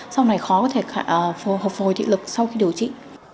sau này khó có thể phù hợp hồi thị lực sau khi điều trị